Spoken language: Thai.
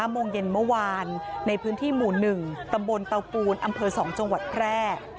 โมงเย็นเมื่อวานในพื้นที่หมู่๑ตำบลเตาปูนอำเภอ๒จังหวัดแพร่